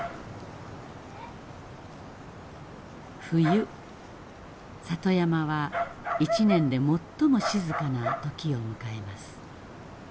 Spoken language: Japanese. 冬里山は一年で最も静かな時を迎えます。